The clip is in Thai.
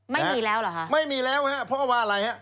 ไม่มีแล้วเหรอฮะไม่มีแล้วฮะเพราะว่าอะไรฮะ